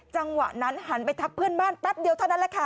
จังหวะนั้นหันไปทักเพื่อนบ้านแป๊บเดียวเท่านั้นแหละค่ะ